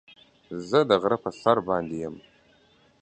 زه د غره په سر باندې يم.